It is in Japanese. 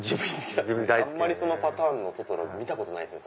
あんまりそのパターンのトトロは見たことないですね。